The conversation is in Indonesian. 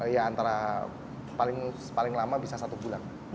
ya antara paling lama bisa satu bulan